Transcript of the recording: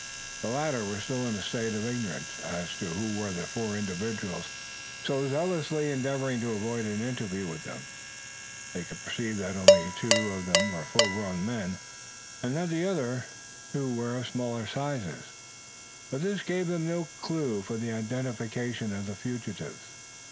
The latter were still in a state of ignorance as to who were the four individuals so zealously endeavouring to avoid an interview with them. They could perceive that only two of them were full grown men, and that the other two were of smaller size; but this gave them no clew for the identification of the fugitives.